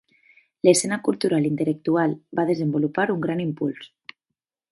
L'escena cultural i intel·lectual va desenvolupar un gran impuls.